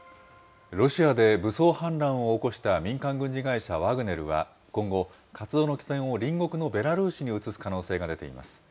ロシアで武装反乱を起こした民間軍事会社ワグネルは今後、活動の拠点を隣国のベラルーシに移す可能性が出ています。